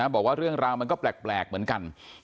บอกว่าเรื่องราวมันก็แปลกเหมือนกัน